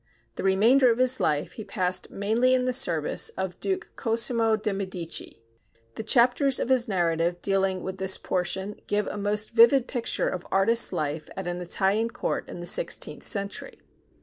The remainder of his life he passed mainly in the service of Duke Cosimo de' Medici. The chapters of his narrative dealing with this portion give a most vivid picture of artist life at an Italian court in the sixteenth century.